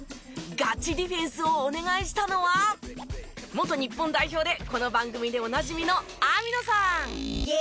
ガチディフェンスをお願いしたのは元日本代表でこの番組でおなじみの網野さん！